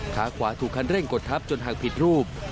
ขาขวาถูกคันเร่งกดทับจนหักผิดรูป